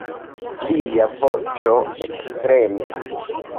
Lia voĉo ektremis.